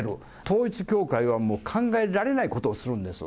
統一教会はもう、考えられないことをするんです。